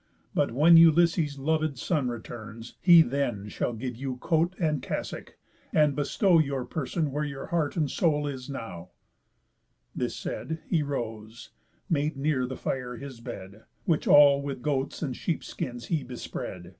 But when Ulysses' lovéd son returns, he then Shall give you coat and cassock, and bestow Your person where your heart and soul is now," This said, he rose, made near the fire his bed, Which all with goats' and sheep skins he bespread.